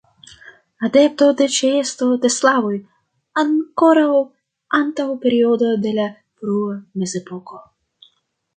Adepto de ĉeesto de slavoj ankoraŭ antaŭ periodo de la frua mezepoko.